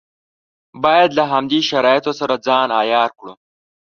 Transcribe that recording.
باید له همدې شرایطو سره ځان عیار کړو.